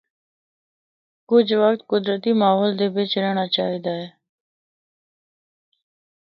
کجھ وقت قدرتی ماحول دے بچ رہنڑا چاہیے دا ہے۔